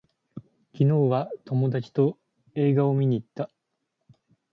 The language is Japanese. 昨日は友達と映画を見に行った